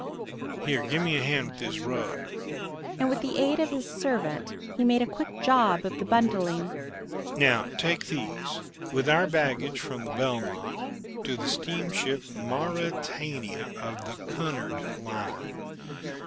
Here, give me a hand with this rug," and with the aid of his servant he made a quick job of the bundling. "Now, take these with our baggage from the Belmont to the steamship Mauretania of the Cunard line.